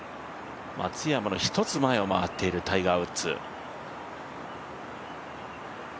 松山の１つ前を回っているタイガー・ウッズ。